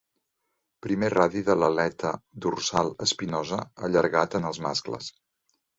Primer radi de l'aleta dorsal espinosa allargat en els mascles.